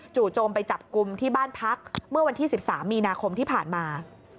โจมไปจับกลุ่มที่บ้านพักเมื่อวันที่๑๓มีนาคมที่ผ่านมา